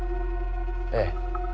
ええ。